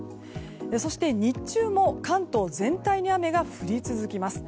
そして日中も関東全体に雨が降り続きます。